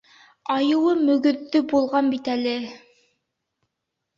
Айыуы мөгөҙҙө булған бит әле!